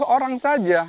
sepuluh orang saja